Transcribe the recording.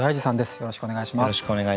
よろしくお願いします。